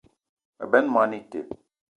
Me benn moni ite